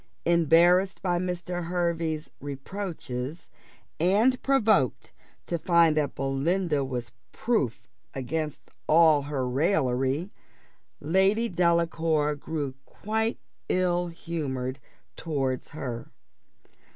Embarrassed by Mr. Hervey's reproaches, and provoked to find that Belinda was proof against all her raillery, Lady Delacour grew quite ill humoured towards her.